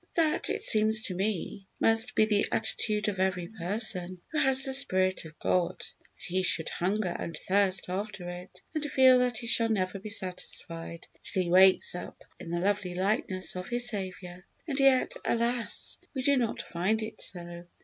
That, it seems to me, must be the attitude of every person who has the Spirit of God that he should hunger and thirst after it, and feel that he shall never be satisfied till he wakes up in the lovely likeness of his Saviour. And yet, alas! we do not find it so.